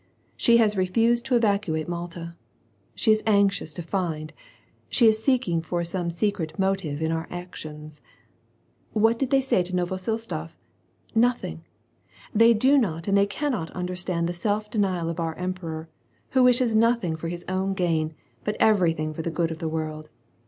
She has refused to evacuate Malta. She is anxious to find, she is seeking for some secret motive in our actions. What did they say to Novosiltsof ?— nothing! They do not and they caimot understand the self denial of our emperor, who wishes nothing for his own gain, but everything for the good of the world.